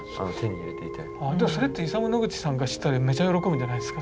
それってイサム・ノグチさんが知ったらめちゃ喜ぶんじゃないですか。